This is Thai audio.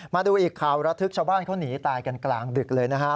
มาดูอีกข่าวระทึกชาวบ้านเขาหนีตายกันกลางดึกเลยนะฮะ